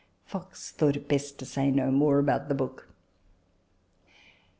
Fox thought it best to say no more about the book.